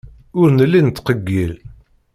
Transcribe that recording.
Ur nelli nettqeyyil.